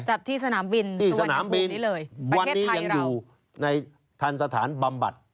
ประเภทไทยเราถือสนามบิณีสนามบินวันนี้ยังอยู่ตอนทานสถานบำบัติ